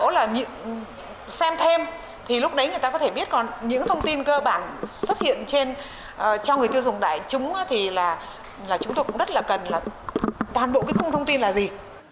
nếu là xem thêm thì lúc đấy người ta có thể biết còn những thông tin cơ bản xuất hiện trên cho người tiêu dùng đại chúng thì là chúng tôi cũng rất là cần là toàn bộ cái khung thông tin là gì